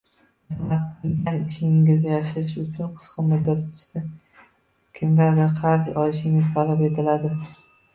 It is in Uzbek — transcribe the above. Masalan, qilgan ishingizni yashirish uchun qisqa muddat ichida kimdandir qarz olishingiz talab etiladi.